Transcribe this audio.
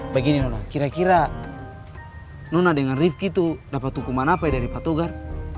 begini nona kira kira nona dengan rifki itu dapat hukuman apa dari pak togar